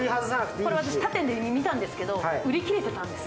これ、他店で見たんですけど、売り切れてたんです。